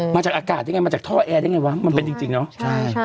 มาจากอากาศได้ไงมาจากท่อแอร์ได้ไงวะมันเป็นจริงเนาะใช่